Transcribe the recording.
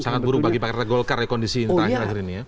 sangat buruk bagi pak reta golkar ya kondisi terakhir akhir ini ya